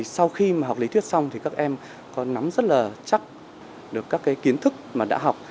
sau khi mà học lý thuyết xong thì các em có nắm rất là chắc được các kiến thức mà đã học